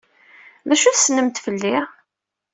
D acu ay tessnemt fell-i?